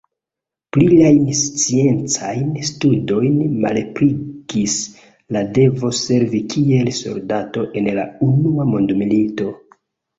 Pliajn sciencajn studojn malebligis la devo servi kiel soldato en la unua mondmilito.